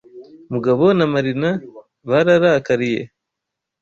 Mugabo na Mariya bararakariye.